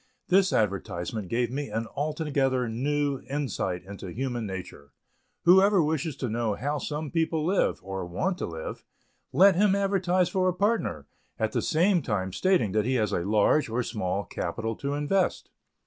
This advertisement gave me an altogether new insight into human nature. Whoever wishes to know how some people live, or want to live, let him advertise for a partner, at the same time stating that he has a large or small capital to invest.